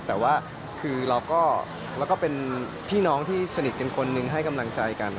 แต่ว่าคือเราก็เป็นพี่น้องที่สนิทกันคนหนึ่งให้กำลังใจกัน